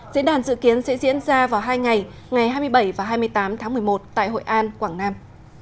diễn đàn dự kiến sẽ diễn ra vào hai ngày ngày hai mươi bảy và hai mươi tám tháng một mươi một tại hội an quảng nam